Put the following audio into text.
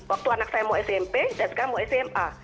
waktu anak saya mau smp dan sekarang mau sma